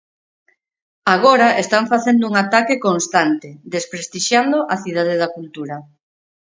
Agora están facendo un ataque constante, desprestixiando a Cidade da Cultura.